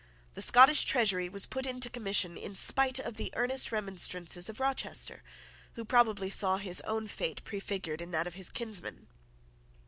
The Scottish Treasury was put into commission in spite of the earnest remonstrances of Rochester, who probably saw his own fate prefigured in that of his kinsman.